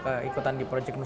jadi kita harus berkontor